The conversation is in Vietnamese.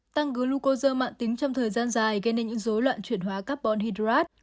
tăng glucozo mạng tính trong thời gian dài gây nên những dối loạn chuyển hóa carbon hydrate